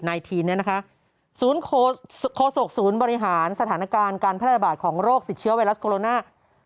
ทีนเนี่ยนะคะโฆษกศูนย์บริหารสถานการณ์การแพร่ระบาดของโรคติดเชื้อไวรัสโคโรนา